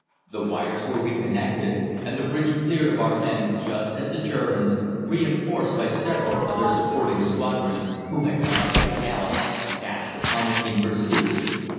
The wires were reconnected, and the bridge cleared of our men just as the Germans, reinforced by several of their supporting squadrons, who had come up at a gallop, dashed upon it in pursuit.